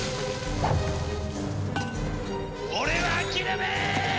俺は諦めん！